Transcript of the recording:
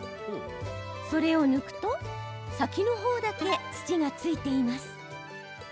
それを抜くと先の方だけ土がついています。